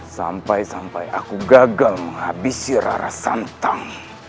sampai sampai aku gagal menghabisi rara santam